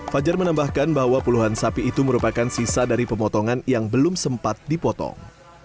fajar menambahkan bahwa puluhan sapi itu merupakan sisa dari pemotongan yang belum sempat dipotong